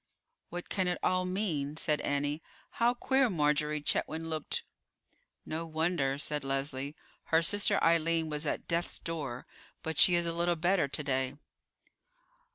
"What can it all mean?" said Annie. "How queer Marjorie Chetwynd looked!" "No wonder," said Leslie. "Her sister Eileen was at death's door; but she is a little better to day."